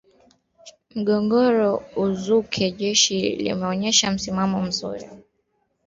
mgogoro uzuke jeshi limeonyesha msimamo mzuri